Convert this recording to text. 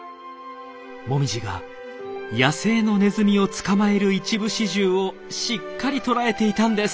もみじが野生のネズミを捕まえる一部始終をしっかり捉えていたんです！